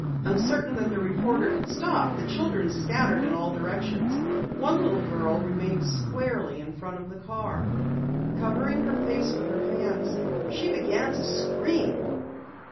Uncertain that the reporter could stop, the children scattered in all directions. One little girl remained squarely in front of the car. Covering her face with her hands, she began to scream.